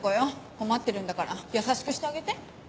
困ってるんだから優しくしてあげて。